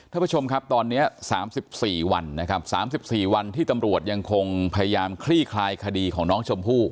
ท่านผู้ชมครับตอนเนี้ยสามสิบสี่วันนะครับสามสิบสี่วันที่ตำรวจยังคงพยายามคลี่คลายคดีของน้องชมพู่